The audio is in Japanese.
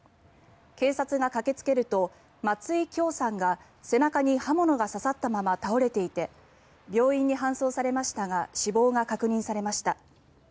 警察が駆けつけると松井響さんが背中に刃物が刺さったまま倒れていて病院に搬送されましたが死亡が確認されました。